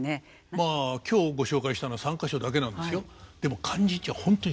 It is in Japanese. まあ今日ご紹介したのは３か所だけなんですよ。